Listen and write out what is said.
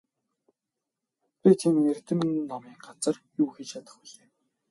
Би тийм эрдэм номын газар юу хийж чадах билээ?